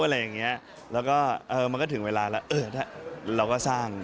แล้วก็มันก็ถึงเวลาเราสร้าง